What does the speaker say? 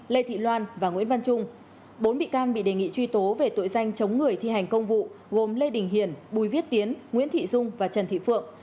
lê thị loan và nguyễn văn trung bốn bị can bị đề nghị truy tố về tội danh chống người thi hành công vụ gồm lê đình hiền bùi viết tiến nguyễn thị dung và trần thị phượng